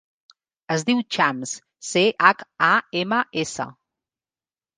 Es diu Chams: ce, hac, a, ema, essa.